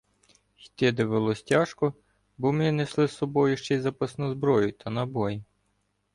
Йти довелося тяжко, бо ми несли з собою ще й запасну зброю та набої.